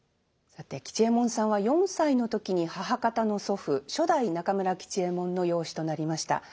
さて吉右衛門さんは４歳の時に母方の祖父初代中村吉右衛門の養子となりました。